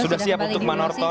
udah siap untuk manortor